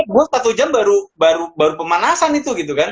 gue satu jam baru pemanasan itu gitu kan